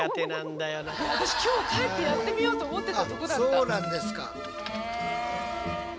私今日帰ってやってみようと思ってたとこだった。